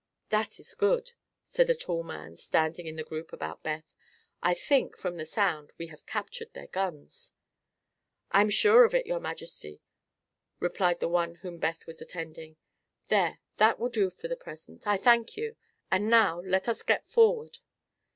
"That is good," said a tall man standing in the group about Beth; "I think, from the sound, we have captured their guns." "I'm sure of it, your Majesty," replied the one whom Beth was attending. "There; that will do for the present. I thank you. And now, let us get forward."